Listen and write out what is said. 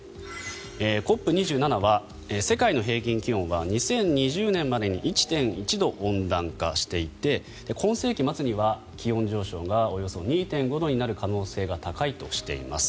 ＣＯＰ２７は世界の平均気温は２０２０年までに１．１度温暖化していて今世紀末には気温上昇がおよそ２．５度になる可能性が高いとしています。